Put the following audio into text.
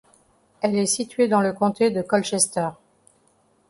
Elle est située dans le comté de Colchester.